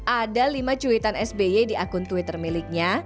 ada lima cuitan sby di akun twitter miliknya